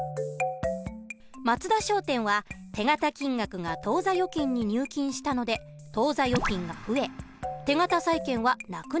松田商店は手形金額が当座預金に入金したので当座預金が増え手形債権はなくなります。